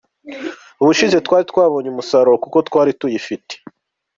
Ubushize twari twabonye umusaruro kuko twari tuyifite.